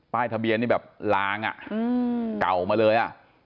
ป้ายทะเบียนล้างเก่าไปเลย